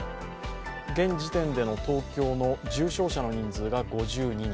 現時点での東京の重症者の人数は５２人。